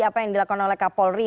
apa yang dilakukan oleh kak polri